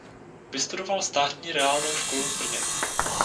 Vystudoval státní reálnou školu v Brně.